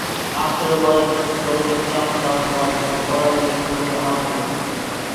Afterwards, it slowly sunk down while the coral reef grew around it.